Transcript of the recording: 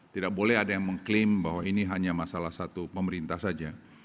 tidak boleh ada yang mengklaim bahwa ini hanya masalah satu pemerintah saja